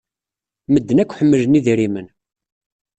Medden akk ḥemmlen idrimen.